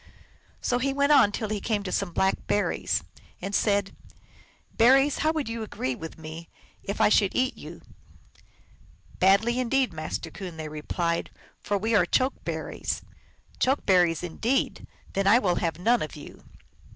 So he went on till he came to some Black Berries, and said, " Berries, how would you agree with me if I should eat you?" "Badly indeed, Master Coon," they replied, " for we are Choke berries." " Choke berries, indeed ! Then I will have none of you."